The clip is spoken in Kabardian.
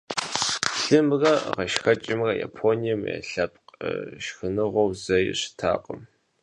Лымрэ гъэшхэкӀымрэ Японием я лъэпкъ шхыныгъуэу зэи щытакъым.